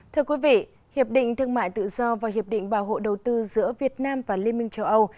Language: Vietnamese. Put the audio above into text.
thưa quý vị hiệp định thương mại tự do và hiệp định bảo hộ đầu tư giữa việt nam và liên minh châu âu